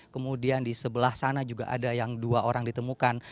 kemudian di sebelah sana juga ada yang dua orang ditemukan